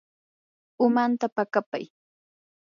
umanta paqapay.